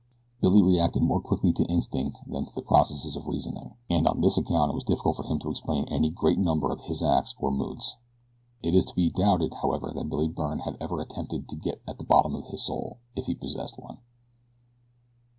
Billy reacted more quickly to instinct than to the processes of reasoning, and on this account it was difficult for him to explain any great number of his acts or moods it is to be doubted, however, that Billy Byrne had ever attempted to get at the bottom of his soul, if he possessed one.